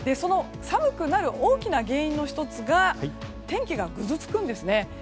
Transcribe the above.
寒くなる大きな原因の１つが天気がぐずつくんですね。